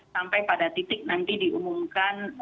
sampai pada titik nanti diumumkan